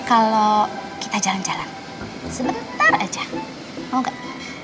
kalau kita jalan jalan sebentar aja mau enggak